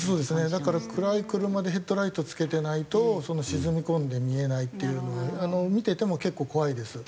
だから暗い車でヘッドライトつけてないと沈み込んで見えないっていうのは見てても結構怖いです。